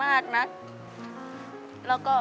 สวัสดีครับน้องเล่จากจังหวัดพิจิตรครับ